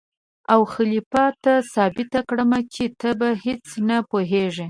او خلیفه ته ثابت کړم چې ته په هېڅ نه پوهېږې.